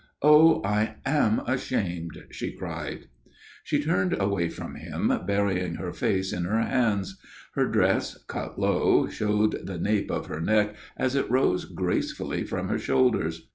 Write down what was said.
"Oh, I am ashamed!" she cried. She turned away from him, burying her face in her hands. Her dress, cut low, showed the nape of her neck as it rose gracefully from her shoulders.